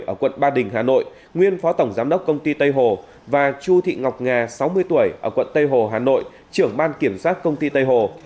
ở quận ba đình hà nội nguyên phó tổng giám đốc công ty tây hồ và chu thị ngọc nga sáu mươi tuổi ở quận tây hồ hà nội trưởng ban kiểm soát công ty tây hồ